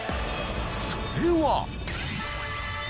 ［それは］